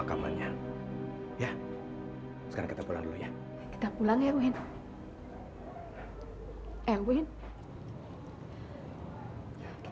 gak ada gunanya lagi